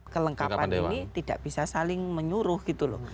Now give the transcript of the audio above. kelengkapan ini tidak bisa saling menyuruh gitu loh